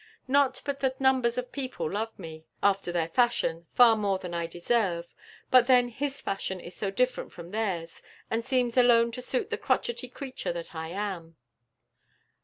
Not but that numbers of people love me, after their fashion, far more than I deserve, but then his fashion is so different from theirs, and seems alone to suit the crotchety creature that I am."